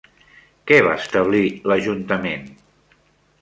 Què va establir l'ajuntament?